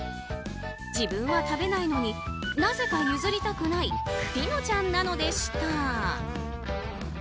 自分は食べないのになぜか譲りたくないピノちゃんなのでした。